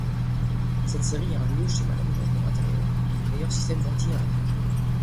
Cette série a un nouveau schéma d'aménagement intérieur et un meilleur système d'anti-enrayage.